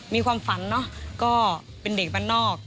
มีความฝันเนอะก็เป็นเด็กบ้านนอก